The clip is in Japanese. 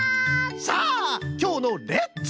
さあきょうの「レッツ！